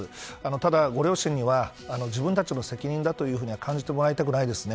ただ、ご両親には自分たちの責任だというふうには感じてもらいたくないですね。